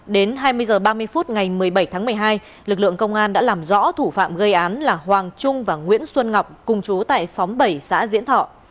đến hai mươi h ba mươi phút ngày một mươi bảy tháng một mươi hai lực lượng công an đã làm rõ thủ phạm gây án là hoàng trung và nguyễn xuân ngọc cùng chú tại xóm bảy xã diễn thọ